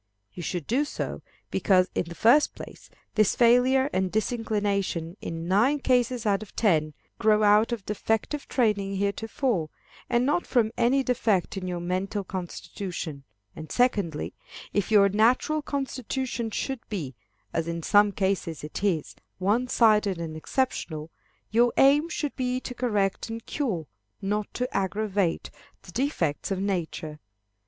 You should do so, because, in the first place, this failure and disinclination, in nine cases out of ten, grow out of defective training heretofore, and not from any defect in your mental constitution; and, secondly, if your natural constitution should be, as in some cases it is, one sided and exceptional, your aim should be to correct and cure, not to aggravate, the defects of nature.